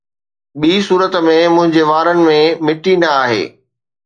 ٻي صورت ۾، منهنجي وارن ۾ مٽي نه آهي